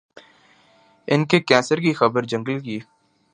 ان کے کینسر کی خبر جنگل کی